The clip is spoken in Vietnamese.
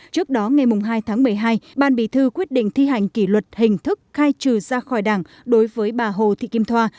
trước đó ngày hai tháng một mươi hai ban bì thư quyết định thi hành kỷ luật hình thức khai trừ ra khỏi đảng đối với bà hồ thị kim thoa